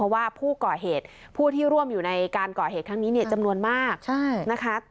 เพราะว่าผู้ก่อเหตุผู้ที่ร่วมอยู่ในการก่อเหตุครั้งนี้เนี่ยจำนวนมากนะคะ